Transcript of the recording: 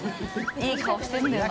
いい顔してるんだよな。